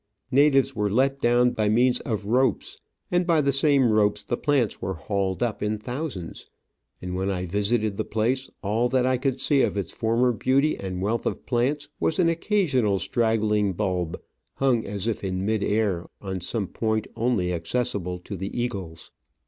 Natives were let down by means of ropes, and by the same ropes the plants were hauled up in thousands, and when I visited the place all that I could see of its former beauty and wealth of plants Digitized by VjOOQIC OF AN Orchid Hunter. i i 5 was an occasional straggling bulb hung as if in mid air on some point only accessible to the eagles.